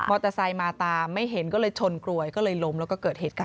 เตอร์ไซค์มาตามไม่เห็นก็เลยชนกลวยก็เลยล้มแล้วก็เกิดเหตุการณ์